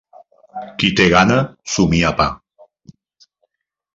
Qui té gana somia pa.